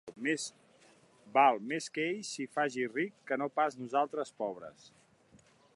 Val més que ell s'hi faci ric que no pas nosaltres pobres.